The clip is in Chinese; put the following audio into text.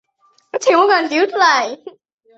清真寺另一特色是没有宣礼塔。